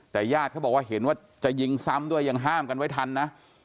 แต่ญาติเขาบอกว่าเห็นว่าจะยิงซ้ำด้วยยังห้ามกันไว้ทันนะ